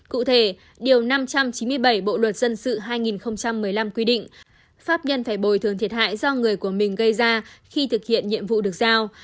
cụ thể điều năm trăm chín mươi bảy bộ luật dân sự hai nghìn một mươi năm quy định pháp nhân phải bồi thường thiệt hại do người của mình gây ra khi thực hiện nhiệm vụ được giao